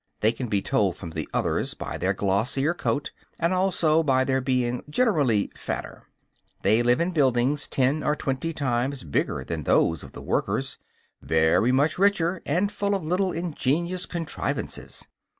They can be told from the others by their glossier coat, and also by their being generally fatter. They live in buildings ten or twenty times bigger than those of the workers, very much richer, and full of little ingenious contrivances.